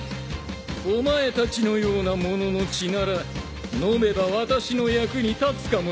お前たちのような者の血なら飲めば私の役に立つかもしれんな。